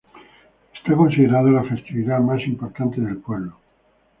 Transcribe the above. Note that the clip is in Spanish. Es considerada la festividad más importante del pueblo.